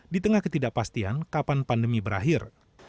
di tengah ketidakpastian kapan pandemi berakhir